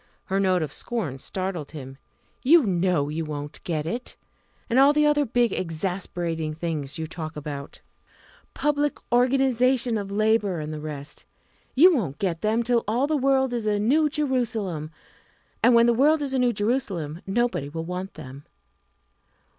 Her note of scorn startled him. "You know you won't get it! And all the other big exasperating things you talk about public organisation of labour, and the rest you won't get them till all the world is a New Jerusalem and when the world is a New Jerusalem nobody will want them!"